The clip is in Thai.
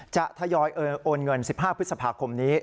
ทยอยโอนเงิน๑๕พฤษภาคมนี้